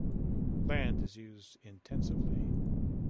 Land is used intensively.